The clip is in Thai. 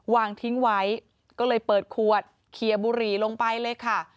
วางทิ้งไว้ก็เลยเปิดขวดเคลียร์บุหรี่ลงไปเลยค่ะ